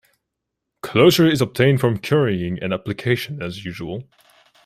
Closure is obtained from currying and application, as usual.